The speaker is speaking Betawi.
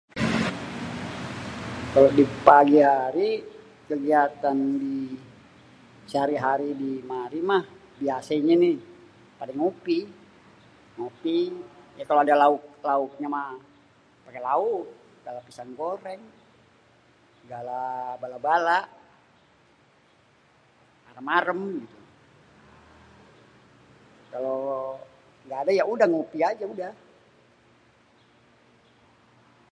Kalo di pagi hari, kegiatan sehari-hari di mari mah, biasenye nih pade ngopi, ngopi. Ya, kalo ada lauk-lauknya, mah pake lauk. Segala pisang goreng, segala bala-bala, arem-arem. Kalo nggak ada nggak, ya udah ngopi aja udah.